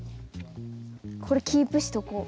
これキープしとこう。